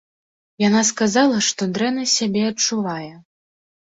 Яна сказала, што дрэнна сябе адчувае.